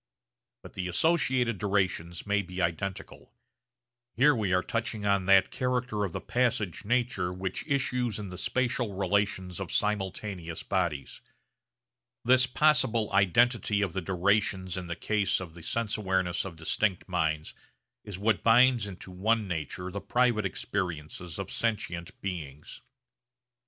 But the associated durations may be identical. Here we are touching on that character of the passage nature which issues in the spatial relations of simultaneous bodies. This possible identity of the durations in the case of the sense awareness of distinct minds is what binds into one nature the private experiences of sentient beings.